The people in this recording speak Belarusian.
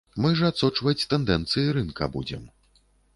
Мы ж адсочваць тэндэнцыі рынка будзем.